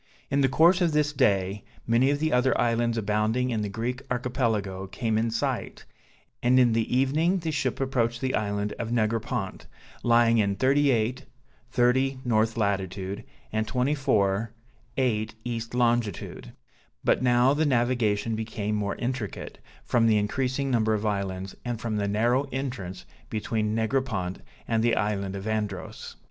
In the course of this day, many of the other islands abounding in the Greek Archipelago came in sight, and in the evening the ship approached the island of Negropont, lying in 38 30 north latitude, and 24 8 east longitude; but now the navigation became more intricate, from the increasing number of islands, and from the narrow entrance between Negropont and the island of Andros.